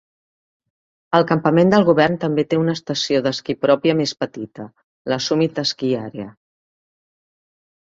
El Campament del Govern també té una estació d'esquí pròpia més petita, la Summit Ski Area.